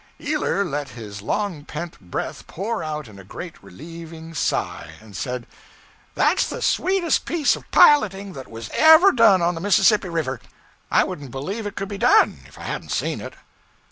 Ealer let his long pent breath pour out in a great, relieving sigh, and said 'That's the sweetest piece of piloting that was ever done on the Mississippi River! I wouldn't believed it could be done, if I hadn't seen it.'